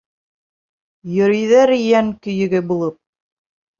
Йөрөйҙәр йән көйөгө булып.